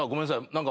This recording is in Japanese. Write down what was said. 何か。